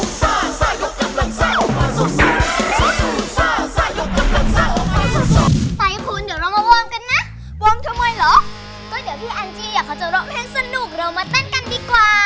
ก็เดี๋ยวพี่แอนจี้อยากจะร้องให้สนุกเรามาเต้นกันดีกว่า